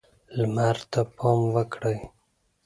لمر ته پام وکړئ.